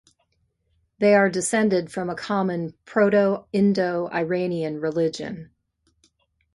They are descended from a common Proto-Indo-Iranian religion.